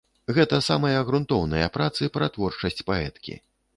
Гэта самыя грунтоўныя працы пра творчасць паэткі.